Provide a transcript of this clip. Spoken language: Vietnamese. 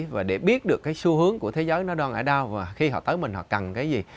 và để biết được cái xu hướng của thế giới nó đo ngại đao và khi họ tới mình họ cần cái gì